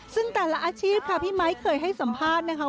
ซึ่งแต่ละอาชีพค่ะพี่ไมค์เคยให้สัมภาษณ์นะคะ